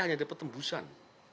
hanya dapat tembusan